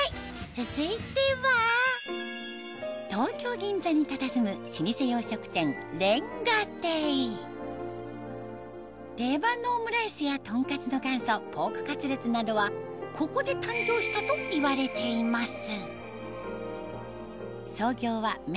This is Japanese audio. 続いては東京・銀座にたたずむ老舗洋食店瓦亭定番のオムライスやとんかつの元祖ポークカツレツなどはここで誕生したといわれています